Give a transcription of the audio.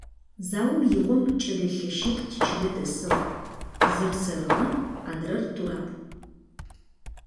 Заом игъом кӏэлэ лъэщитӏу тичылэ дэсыгъ; зыр – сэрыгъэ, адрэр – Тураб.